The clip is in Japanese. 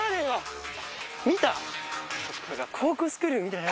見た？